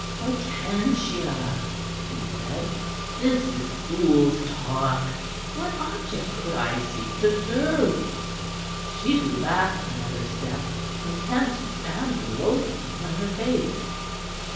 "Hortensia," he said, "this is fool's talk. What object could I seek to serve?" She drew back another step, contempt and loathing in her face.